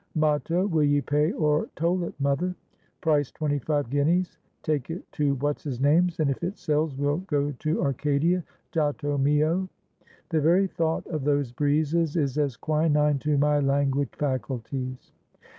Motto—'Will ye pay or toll it, mother?' Price twenty five guineas. Take it to What's his name's, and if it sells we'll go to Arcadia, Giotto mio! The very thought of those breezes is as quinine to my languid faculties!"